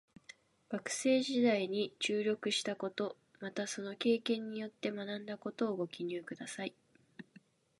学生時代に注力したこと、またその経験によって学んだことをご記入ください。